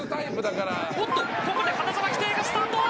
おっと、ここで花澤喜多屋がスタート！